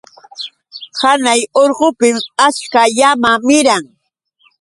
Hanay urqupim achka llama miran.